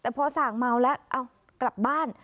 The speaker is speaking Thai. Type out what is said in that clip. แต่พอส่างเมาแล้วเอากลับบ้าน